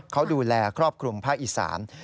เขาดูแลครอบครุมพระอิสาน